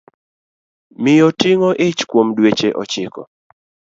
Miyo ting'o ich kuom dweche ochiko